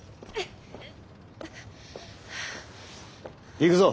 行くぞ。